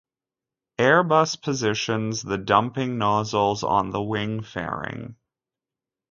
Airbus positions the dumping nozzles on the wing fairing.